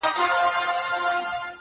په خندا پاڅي په ژړا يې اختتام دی پيره.